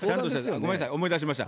ごめんなさい思い出しました。